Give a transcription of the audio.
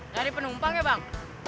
dari penumpang ya bang